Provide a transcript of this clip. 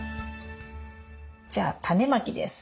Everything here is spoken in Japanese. じゃあタネまきです。